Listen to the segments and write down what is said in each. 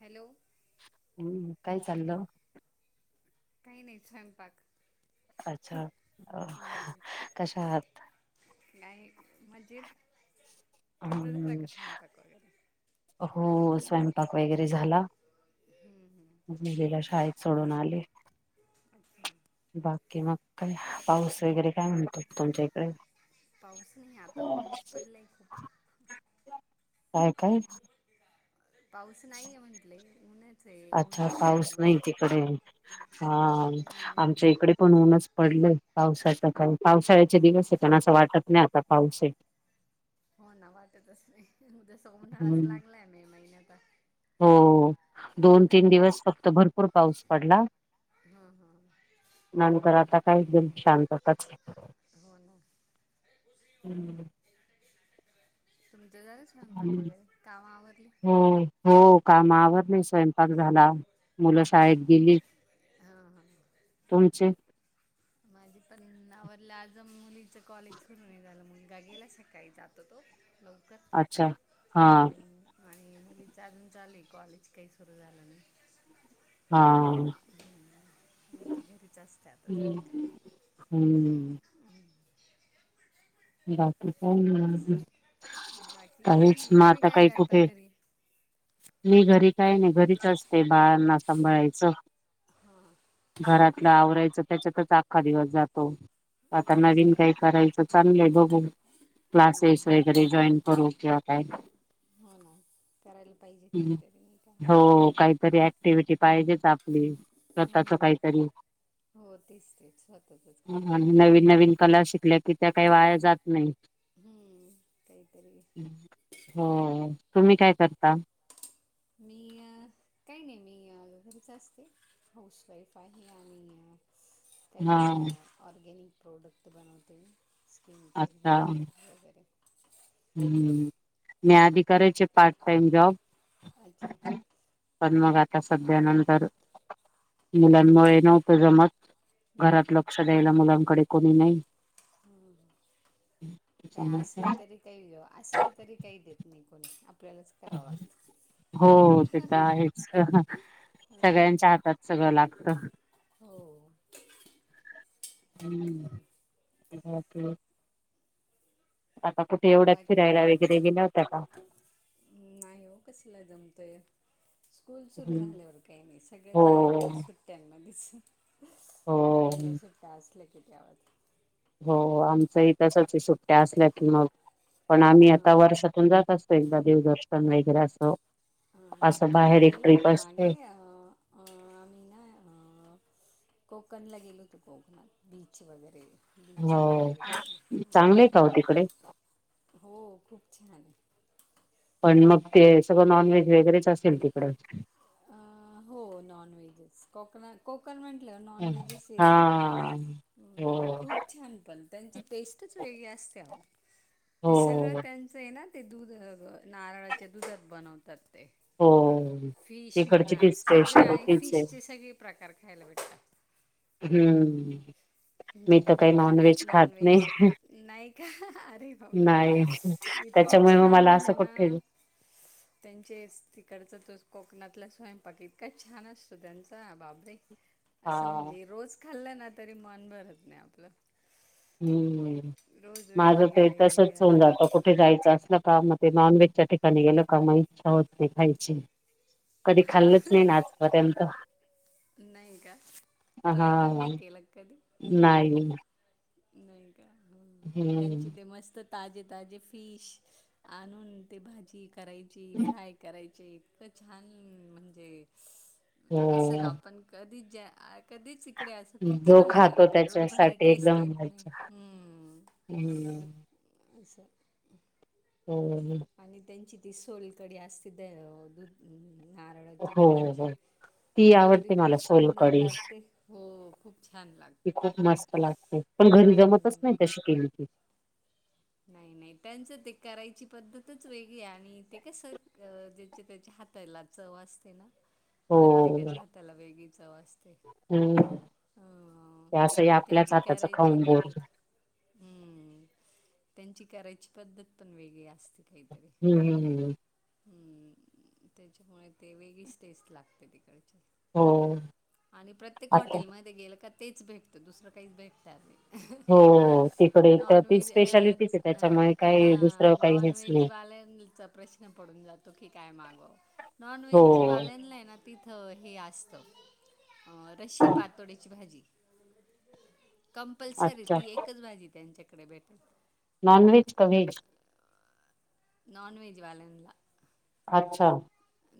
Hello. हम्म काय चाललं? काही नाही स्वयंपाक. अच्छा कशा आहात? नाही मजेत तुमचा झाला हम्म का स्वयंपाक वगैरे? हो स्वयंपाक वगैरे झाला. हम्म, मुलीला शाळेत सोडून आले. अच्छे [unintelligible] बाकी मग काय पाऊस वगैरे काय म्हणतो तुमच्या इकडे पाऊस नाही आता ऊनच पडलाय खूप काय काय पाऊस नाहीये म्हटले ऊन्हच आहे ऊन अच्छा पडले पाऊस ऊन नाही हा नाही ना आमच्या इकडे पण ऊनच पडलंय पावसाचा काही पावसाळ्याचे दिवस आहे पण असं वाटत नाही आता पाऊस आहे हो ना वाटतच नाहीजे सोमनाच हम्म लागलाय मे महिन्यात हो हो दोन ना तीन दिवस फक्त भरपूर पाऊस पडला हां हां नंतर आता काय एकदम शांतताच हो ना हम्म तुमचं घ हम् हम्म हो कामा आवर नाही स्वयंपाक झाला मुलं शाळेत गेली हा हा तुमचे माझी पणनावरला आज मुलीचं कॉलेज सुरू नाही झालं मुलगा गेला सकाळी जातो तो ल अच्छा. कात हां, आणि मुलीच अजून चाली कॉलेज काही सुरू झालं नाही मग ती घरीच असते आता हां हम्म आणि बाकी का बाकी काही काहीच नाही म तुम्ही आता काय काही करता कुठे घरी मी घरी काय नाही घरीच असते बाळांना सांभाळायचं हा घरातलं आवरायचं त्याच्यातच आखा दिवस जातो आता अच्छा नवीन काही करायचं चांगले बघू हां क्लासेस हां वगैरे जॉईन करू किंवा काय हो ना करायला पाहिजे काहीतरी नाही का हो काहीतरी ऍक्टिव्हटी पाहिजेच आपली स्वतःच हम्म. काहीतरी हो तेच तेच स्वतःचच काहीतरी आणि नवीन पाहिजे नवीन कला शिकल्या कि त्या काही वाया जात नाही हम्म काहीतरी हो तुम्ही काय करता मी काही नाही मी ल घरीच असते हाऊस वाईफ आहे आणि हा काही ऑर्गॅनिक प्रोडक्ट बनवते मी स्किन केअर अच्छा हेड केेअर वगैरे हम्म मी आधी करायचे पार्ट टाइम जॉब अच्छा पण मग आता सध्यानंतर मुलांमुळे नव्हतं जमत घरात लक्ष द्यायला मुलांकडे कोणी नाही ह् काय असले त्याच्यामुळे. तरी काही असले तरी काही देत नाही कोणी आपल्यालाच करावं लागतं हो ते तर आहे हां सगळ्यांच्या हातात सगळं लागत हो हम्म ते आता कुठे एवढ्याच बाकी फिरायला वगैरे गेल्या होता का नाही हो कसला जमतोय स्कूल सुरू झाल्यावर काही नाही सगळं हो जे आहे ते सुट त्यांना दिस हो मुलांना सुट्टा असलं कीतीवत हो आमच इ तसाच सुट्ट्या असल्या की मग पण आम्ही आता हां वर्षातून जात असतो एकदा देव दर्शन वगैरे असं असं हां आम्ही बाहेर एक गेलो ट्रिप होतो असते मागे आम्ही ना कोकणला गेलोतो कोकणात बीच वगैरे बीच वर हो. गेलो होतो आम्ही, चांगले का हो तिकडे हो खूप छान आहे. पण मग ते सगळं नॉनव्हेज वगैरेच असेल तिकडं? हो नॉनव्हेज च कोकणात कोकनं म्हटल्यावर नॉनव्हेज हा येईल ना! हो खूप छान पण त्यांची टेस्टच वेगळी असते ओ ते सगळं हो त्यांच आहे ना ते दूध नारळाच्या दुधात बनवतात ते. हो! फिश तिकडची म्हणा तीच सगळे स्पेशल आणि तीच आहे फिशचे सगळे प्रकार खायला भेटतात. हम्म! जे मी तर जे काही खातात नॉनव्हेज खात नाही नॉनव्हेज, नाही का अरे बाप नाही इतकी त्याच्यामुळे मग छान मला असं म्हणजे ना! [inaudible] त्यांचे तिकडचा तो कोकणातला स्वयंपाक इतका छान असतो त्यांचा बाबरे! [inaudible] असं म्हणजे रोज खाल्लं ना तरी मन भरत नाही आपलं. हम्म रोज माझं वेगवेगळ्या ते वेगवेगळ्या तसच होऊन जात असं कुठे जायचं असल का मग ते नॉन व्हेजच्या ठिकाणी गेलं का मग इच्छा होत नाही खायची. कधी हां खाल्लच नाही ना आज पर्यंत. नाही का ट्राय पण नाही केलं का कधी? नाही नाही का त्यांची हम्म. ते मस्त ताजे ताजे फिश आणून ते भाजी करायची फ्राय करायचे. इतक छान म्हणजे असं ग हो आपण कधीच ज्या कधीच इकडे असं किती जो भारी करा खातो पण एवढी भारी त्याच्यासाठी टेस्ट एकदम तेेत नाही मज्जा. हम्म. असा हो! आणि त्यांची ती सोलकडी असते ते दुध हम् नारळाची हो दुधाची हो ती तर आवडते इतकी मला सुंदर सोलकडी लागते. हो खूप छान लाग ती खूप मस्त लागते. पण घरी जमतच नाही हम्म. तशी केली की. नाही नाही त्यांचं ते करायची पद्धतच वेगळी आणि ते कसं ज्याच्या त्याच्या हात ताला चव असते ना! [inaudible] प्रत्येकाच्या हाताला वेगळी चव अस ते, हम्म ते असं आणि आपल्याच त्यांची हाताच कराईची खाऊन बोर पद्धत हम्म! त्यांची करायची पद्धत पण वेगळी असते काहीतरी. हम्म! हम्म त्याच्यामुळे ते वेगळीच टेस्ट लागते तिकडची. हो आणि प्रत्येक आता हॉटेल मध्ये गेलं का तेच भेटत दुसरं काहीच भेटत नाही. हो तिकडे तर ती नॉनव्हेज स्पेशालिटीच आहे त्याच्यामुळे हा काही दुसरं काही नॉन हेच नाही व्हेजवाल्यांचा प्रश्न पडून जातो की काय मागु! हो नॉनव्हेज वाल्या ला ना तिथं हे असत रशी पातोड्याची भाजी कंपल्सरी अच्छा ती एकच भाजी त्यांच्याकडे भेटेल. नॉनव्हेज का व्हेज? नॉनव्हेज वाल्यांनला. अच्छा!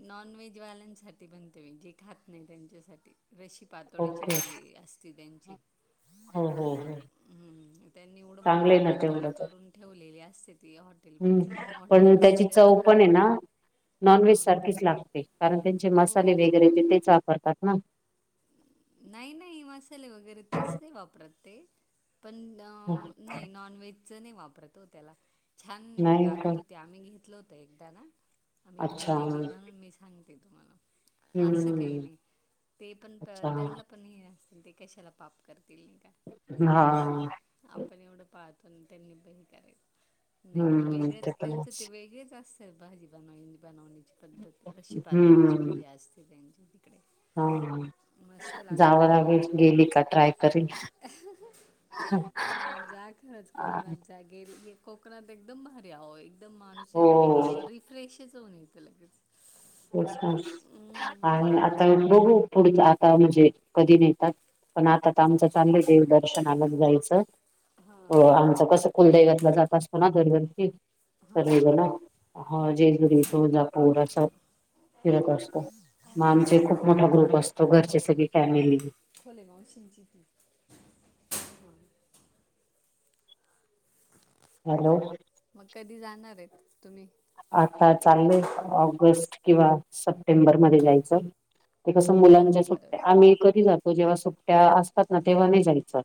नॉन व्हेजवाल्यांसाठी बनते मी जे खात नाय त्यांच्यासाठी रशी पातोडीची ओके भाजी असते त्यांची हो हो हो हम्म त्यांनी एवढं चांगलं मोठी आहे ना पातेल करून ठेवलेली असते ती हॉट हम् पण त्याची चव पण आहे ना नॉनव्हेज हां सारखी लागते कारण त्यांचे हो मसाले हो वेगरे ते तेच वापरतात ना नाही नाही मसाले वगैरे तेच नाही वापरत ते पण अ नाही नॉन व्हेजच नाही वापरत हो त्याला छान नाही का लागत होत ते आम्ही घेतलं होतं एकदा ना आम्ही अच्छा खाल्लेली म्हणून मी सांगते तुम्हाला असं काही हम्म नाही. ते पण अच्छा त्यांना पण हे असतील ते कशाला पाप करतील नाही का. हा आपण एवढं पाळतो त्यांनी बीन करायचं नाही नाही हम्म ते वेगळंच पण त्यांचं ते आहेच. वेगळेच असत भाजी बन बनवण्याची पद्धती रशी पातोळ्याची हम्म भाजी असते त्यांची तिकडे हा मस्त लागते ती जावंला पण व्हेज गेली का ट्राय करेल हा जा खरंच कोकणात जा गे गेल कोकणात एकदम भारी अहो एकदम माणूस आहे हो ना रिफ्रेशच होऊन येतं लगेच तेच [unintelligible] हम्म. आणि आता बघू पुढच आता म्हणजे कधी नेतात. पण आता तर हां आमचं चांगलं देवदर्शनालाच जायचं हां हो आमचं कस कुलदैवतला जात असतो ना दरवर्षी हां हां सगळीजण हं जेजुरी तुळजापूर अस फिरत असतो म आमचे खूप मोठा ग्रुप असतो घरची सगळी फॅमिली खोल ये मावशींन ची ती हा हॅलो म कधी जाणारयेत तुम्ही आता चाललंय ऑगस्ट किंवा सप्टेंबरमध्ये जायचं. ते कसं हो मुलांच्या हो सुट्टया बरोबर आम्ही कधी जातो जेव्हा सुट्टया असतात ना तेव्हा नाही जायच.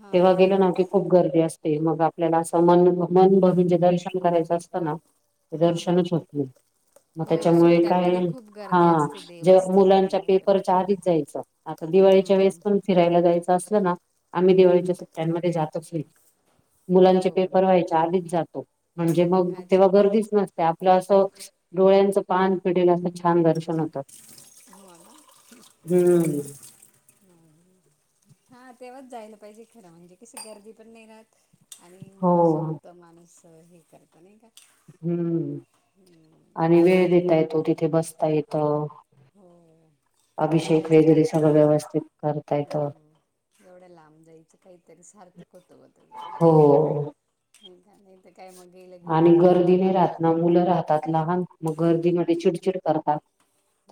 हां तेव्हा हां गेलं ना की खूप गर्दी असते मग आपल्याला असं मन मन भरून जे दर्शन करायचं असतं ना ते हां हां दर्शनच होत नाही. म हो त्याच्यामुळे काय सुट्ट्यांमध्ये खूप हा गर्दी असते जे मुलांच्या देवस्थानांला वगैरे पेपरच्या आधीच जायचं. आता दिवाळीच्या वेळेस हम्म, पण फिरायला जायचं असलं ना आम्ही हम्म. दिवाळीच्या सु सुट्टयामध्ये जातो फ्री मुलांचे हो बरोबर पेपर व्हायच्या आधीच जातो. म्हणजे मग तेव्हा अच्छा गर्दीचं नसते आपलं असं डोळ्यांचं पान पिढेलं असं छान दर्शन होतं. हो ना हम्म हा तेव्हाच जायला पाहिजे खरं म्हणजे कशी गर्दी पण नाही राहत आणि हो मला सोपत माणूस हे करत नाही का हम्म आणि वेळ देता येतो तिथे बसता येत. हो गेल्याच सगळं काहीतरी व्यवस्थित करता येतं हम्म एवढ्या लांब जायच काहीतरी सार्थक होतो बा त्याज हो नाही काय नाय त काय मग गे आणि गर्दी नाही राहत ना मुलं राहतात लहान. म गर्दीमध्ये हम्म, चिडचिड करतात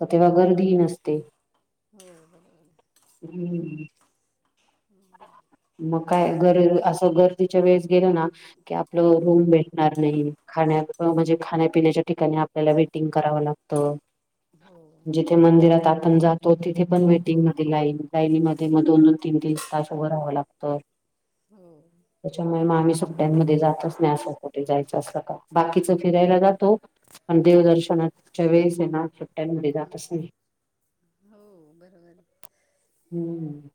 त तेव्हा गर्दी ही नसते. बर हं हम्म. हम्म मग काय गर असं गर्दीच्या वेळेस गेलं ना की आपलं रूम भेटणार नाही खाण्यात म्हणजे खाण्यापिण्याच्या ठिकाणी आपल्याला वेटिंग करावं लागतं. हो. ते मंदिरात आपण जातो तिथे पण वेटिंग मध्ये लाईन लाईनीमध्ये मग दोन, दोन, तीन, तीन तास उभ राहावं लागतं. हो. त्याच्यामुळे मग आम्ही सुट्यांमध्ये जातच नाही असं कुठे जायचं असलका बाकीच फिरायला जातो. पण देवदर्शनाच्या वेळेस आहेना. त्यामुळे जातच नाही हो बरोबर हम्म.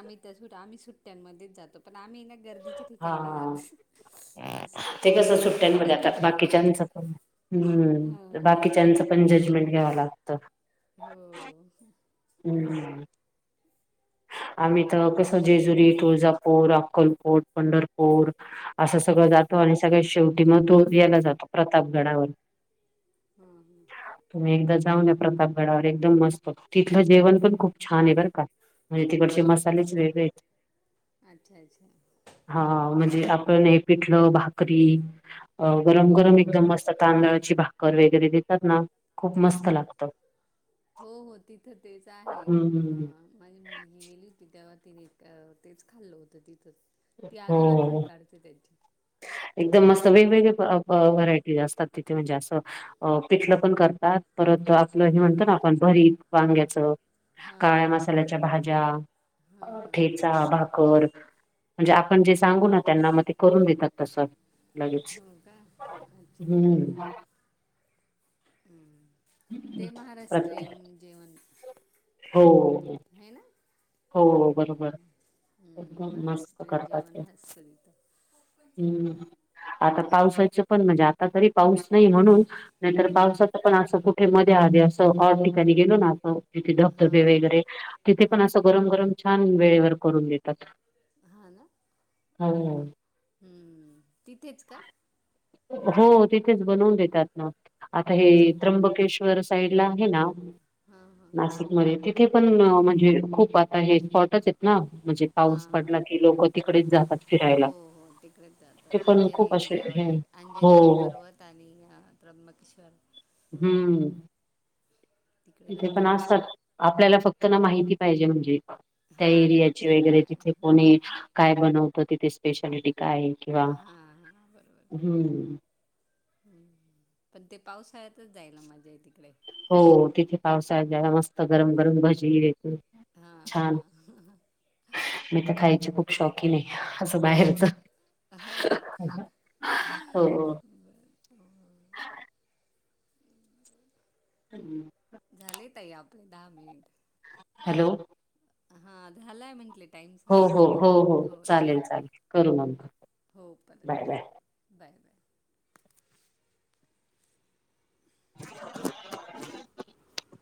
आम्ही तर आम्ही सुट्टयांमध्येच जातो पण आम्ही ना गर्दीच्या ठिकाणी नाही हा जात. असं ते ऑड कसं ऑड सुट्ट्यांमध्ये आता ठीक आहे नाही जायच. बाकीच्यांचं पण हा हम्म ऑड बाकीच्याचं पण जजमेंट घ्यावं लागत. हो.. हम्म. आम्ही तर कसं जेजुरी, तुळजापूर, अक्कलकोट, पंढरपूर असं सगळं जातो आणि सगळ शेवटी मग तो यायला जातो प्रताप गडावर. हम्म हम्म. तुम्ही एकदा जाऊन या प्रतापगडावर एकदम मस्त तिथलं जेवण पण खूप छान आहे बरं का. म्हणजे तिकडचे हां हो का मसालेच वेगळे आहेत. अच्छा अच्छा हा हम्म. म्हणजे आपण एक पिठलं, भाकरी अ गरम, हो गरम हो एकदम हो मस्त तांदळाची भाकर वगैरे देतात ना. खूप हा मस्त लागतं हो हो तिथं तेच आहे अ हम्म माझी मुलगी गेली होती तेव्हा तिने तेच खाल्लं होतं तिथं ती अजून आठवण हो काढते. ओक थँ्यू [unintelligible] एकदम मस्त वेगवेगळे व्हरायटी असतात तिथे म्हणजे असं पिटल पण करतात परत आपलं हे म्हणतं ना आपण भरी वांग्याच हां काळ्या हां मसाल्याच्या भाज्या ठेचा भाकर म्हणजे आपण जे सांगू ना त्यांना म ते करून देतात. तस लगेच हो का अच्छा हम्म. ते महाराष्ट्रीयन प्रत्येक जेवण. हो है ना.. हो बरोबर हम्म हम्म एकदम मस्त महाराष्ट्रियन करतात ते जेवान असत तिथ. हम्म आता पावसाचे पण म्हणजे आता तरी पाऊस नाही म्हणून. नाहीतर हां पावसाच पण असं कुठे मध्ये अधी असं ऑड ठिकाणी गेलो ना असं तिथे हां धबधबे हां वगैरे तिथे पण हां असं गरम, गरम छान वेळेवर करून देतात. हां ना. हो.. हम्म तिथेच का? हो तिथेच बनवून देतात ना आता अच्छा हे त्र्यंबकेश्वर साईडला आहेना हां हां नाशिक मध्ये तिथे पण म्हणजे खूप आता हे थॅटच आहेत. ना म्हणजे पाऊस हां पडला की लोक तिकडेच जातात हां फिरायला. हो हो तिकडे जातात. ते पण खूप असे अंजनेरीला हे वगैरे हो अंजनेरी पर्वत आणि त्र्यंबकेश्वर. हम्म तिकडे इथे पण जातात ते. असाच आपल्याला फक्त ना माहिती पाहिजे म्हणजे त्या हां एरियाची कुठे वगैरे काय तिथे हां कोण आहे. काय बनवतो तिथे स्पेशालिटी काय किंवा हम्म. हम्म पण ते पावसाळ्यातच जायल माझ्या तिकडे हो तिथे पावसाळ जायाला मस्त गरम, गरम भजी हे ते... हा हा. मी तर खायचे खूप शौकीन आहे असं हो बाहेरच हो ना हो हो. ह हम् झालेय ताई आपले दहा मिनिट हॅलो हा झालाय म्हंटले टाईम संपलाय असं हो चालेल हो पंरत बाय बाय करू बाय बाय [unintelligible]